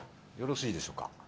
よろしいでしょうか？